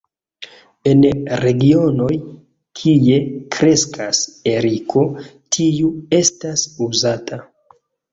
En regionoj, kie kreskas eriko, tiu estas uzata.